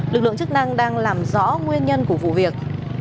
lực lượng chức năng đang làm rõ nguyên nhân của vụ việc